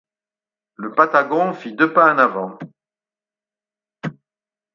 Le Patagon fit deux pas en avant.